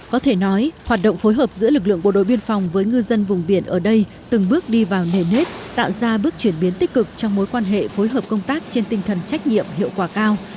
có thể nói hoạt động phối hợp giữa lực lượng bộ đội biên phòng với ngư dân vùng biển ở đây từng bước đi vào nề nếp tạo ra bước chuyển biến tích cực trong mối quan hệ phối hợp công tác trên tinh thần trách nhiệm hiệu quả cao